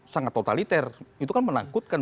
sangat totaliter itu kan menakutkan